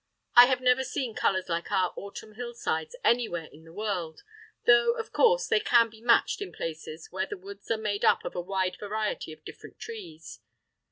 I have never seen colours like our autumn hillsides anywhere in the world, though, of course, they can be matched in places where the woods are made up of a wide variety of different trees.